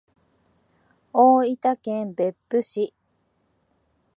大分県別府市